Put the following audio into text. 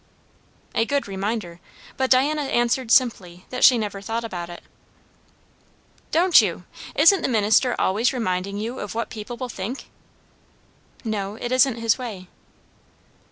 A good reminder! But Diana answered simply that she never thought about it. "Don't you! Isn't the minister always reminding you of what people will think?" "No. It isn't his way."